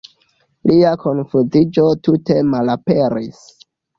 Lia konfuziĝo tute malaperis.